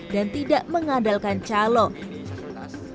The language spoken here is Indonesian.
dan tidak mengandalkan calon